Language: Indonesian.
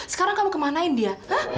sekarang kamu kemanain dia